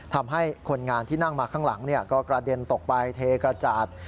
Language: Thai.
ทำให้คนงานที่นั่งมาข้างหลังก็กระเด็นตกไปเทกระจาด